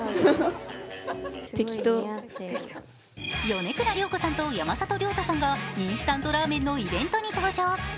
米倉涼子さんと山里亮太さんがインスタントラーメンのイベントに登場。